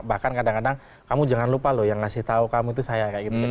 bahkin kadang kadang kamu jangan lupa lho yang kasih tau kamu itu saya